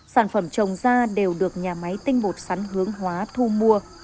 sản phẩm trồng ra đều được nhà máy tinh bột sắn hướng hóa thu mua